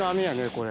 これ。